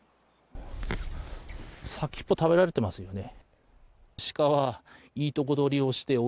先っぽ食べられてますよね。